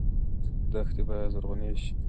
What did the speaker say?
دښتې باید زرغونې شي.